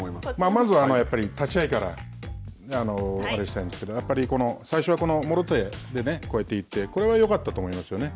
まずはやっぱり立ち合いからあれしたいんですけどやっぱり最初は、もろ手で、こうやっていって、これはよかったと思いますね。